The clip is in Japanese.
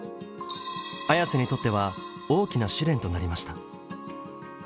Ａｙａｓｅにとっては大きな試練となりました。